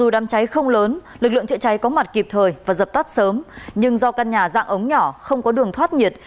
dập tắt sớm nhưng do căn nhà dạng ống nhỏ không có đường thoát nhiệt